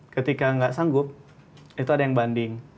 ketika nggak sanggup itu ada yang banding